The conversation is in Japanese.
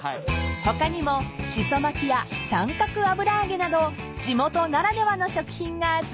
［他にもしそ巻きや三角油揚げなど地元ならではの食品がずらり］